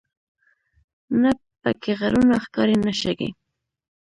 نه په کې غرونه ښکاري نه شګې.